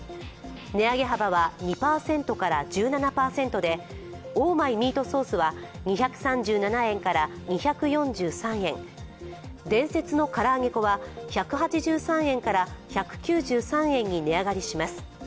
値上げ幅は２％から１７％で、オーマイミートソースは２３７円から２４３円、伝説のから揚げ粉は、１８３円から１９３円に値上がりします。